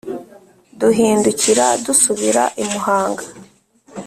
duhindukira dusubira i Muhanga.